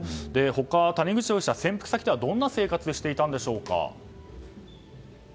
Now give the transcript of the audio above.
他に、谷口容疑者潜伏先ではどんな生活をしていたんでしょうか。